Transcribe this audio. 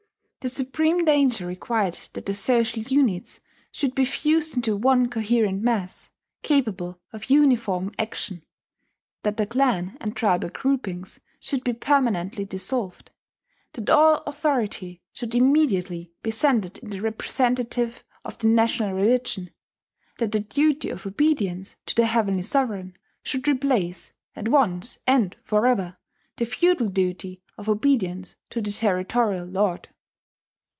The supreme danger required that the social units should be fused into one coherent mass, capable of uniform action, that the clan and tribal groupings should be permanently dissolved, that all authority should immediately be centred in the representative of the national religion, that the duty of obedience to the Heavenly Sovereign should replace, at once and forever, the feudal duty of obedience to the territorial lord.